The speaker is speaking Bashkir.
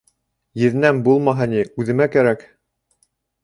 Еҙнәм булмаһа ни, үҙемә кәрәк.